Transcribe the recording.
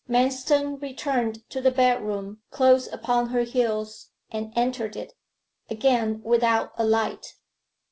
Manston returned to the bedroom close upon her heels, and entered it again without a light.